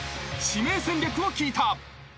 ［指名戦略を聞いた］